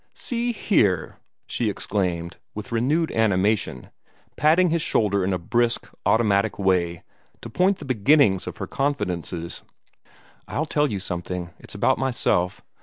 "See here!" she exclaimed, with renewed animation, patting his shoulder in a brisk, automatic way, to point the beginnings of her confidences: "I'll tell you something. It's about myself.